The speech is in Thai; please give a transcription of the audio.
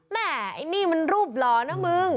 แม่ไอ้นี่มันรูปหล่อนะมึง